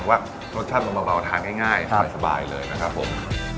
ว่ารสชาติมันเบาทานง่ายสบายเลยนะครับผม